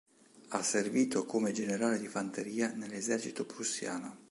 Ha servito come generale di fanteria nell'esercito prussiano.